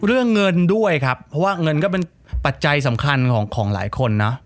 เรื่องเงินด้วยครับเพราะว่าเงินก็เป็นปัจจัยสำคัญของหลายคนนะ